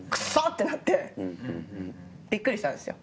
てなってびっくりしたんですよ。